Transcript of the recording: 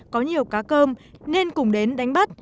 có nhiều cá cơm nên cùng đến đánh bắt